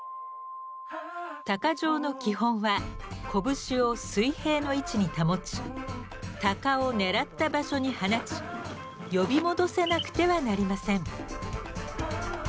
鷹匠の基本は拳を水平の位置に保ち鷹を狙った場所に放ち呼び戻せなくてはなりません。